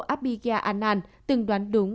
abiga anand từng đoán đúng